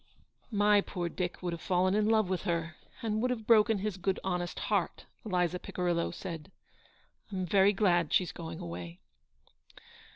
" My poor Dick would have fallen in love with her, and would have broken his good, honest heart," Eliza Picirillo said. " Pm very glad she's going away."